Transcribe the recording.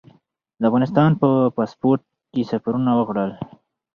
د افغانستان په پاسپورټ یې سفرونه وکړل.